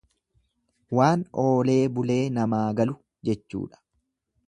Waan oolee bulee namaa galu jechuudha.